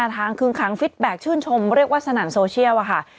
๕ทางคลึงคังฟิตแบ็กชื่นชมเรียกว่าสนันโซเชียลอะค่ะ